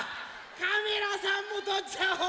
カメラさんもとっちゃおう！